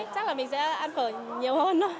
chắc là mình sẽ ăn phở nhiều hơn